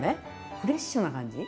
フレッシュな感じ。